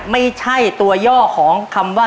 ไม่ใช่ตัวย่อของคำว่า